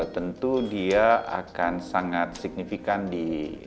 tentu dia akan sangat signifikan di